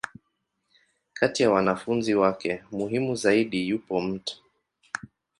Kati ya wanafunzi wake muhimu zaidi, yupo Mt.